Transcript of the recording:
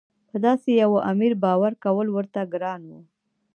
په داسې یوه امیر باور کول ورته ګران وو.